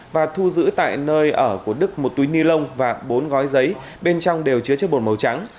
và thu giữ tại nơi ở của đức một túi ni lông và bốn gói giấy bên trong đều chứa chất bột màu trắng